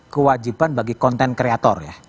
kewajiban bagi content creator ya